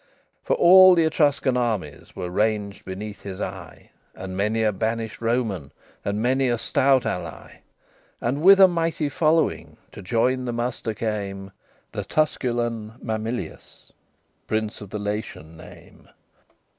XII For all the Etruscan armies Were ranged beneath his eye, And many a banished Roman, And many a stout ally; And with a mighty following To join the muster came The Tusculan Mamilius, Prince of the Latian name.